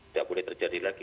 tidak boleh terjadi lagi